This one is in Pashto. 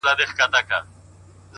چي څونه به لا ګرځي سرګردانه په کوڅو کي!